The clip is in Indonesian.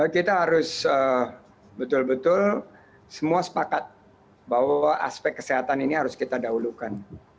kita harus betul betul semua sepakat bahwa aspek kesehatan ini harus kita dahulukan